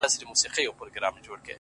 پربت باندي يې سر واچوه ـ